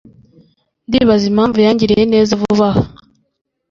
Ndibaza impamvu yangiriye neza vuba aha.